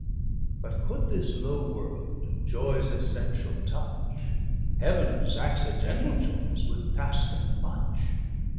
_] But could this low world joyes essentiall touch, Heavens accidentall joyes would passe them much.